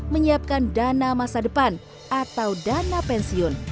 menyiapkan dana masa depan atau dana pensiun